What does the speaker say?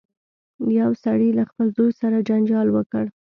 یو سړي له خپل زوی سره جنجال وکړ.